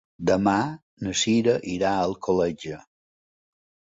Demà na Sira irà a Alcoletge.